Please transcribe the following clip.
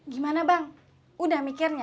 gimana bang udah mikirnya